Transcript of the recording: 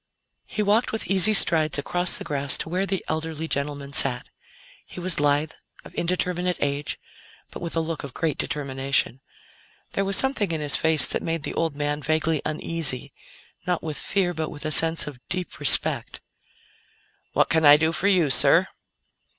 He walked with easy strides across the grass to where the elderly gentleman sat. He was lithe, of indeterminate age, but with a look of great determination. There was something in his face that made the old man vaguely uneasy not with fear but with a sense of deep respect. "What can I do for you, sir?"